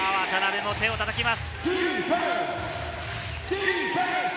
渡邊も手をたたきます。